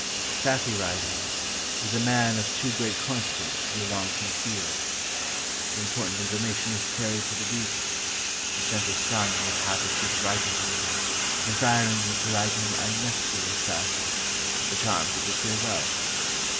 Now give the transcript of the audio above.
A saphie writer was a man 37i WESTERN AND CENTRAL AFRICA of too great consequence to be long concealed — the important information was carried to the dooty, who sent his son with half a sheet of writing paper, desiring me to write him a naphula saphie (a charm to procure wealth).